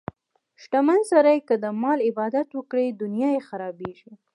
شتمن سړی که د مال عبادت وکړي، دنیا یې خرابېږي.